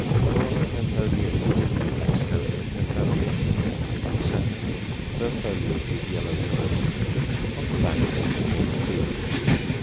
Chlora perfoliata, Blackstonia perfoliata, Hudsoni, perfoliated yellow won, — on the banks in the King's field.